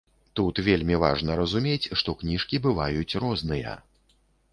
Тут вельмі важна разумець, што кніжкі бываюць розныя.